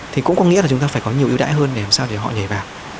thì cũng có nghĩa là chúng ta phải có nhiều ưu đãi hơn để làm sao để họ nhảy vào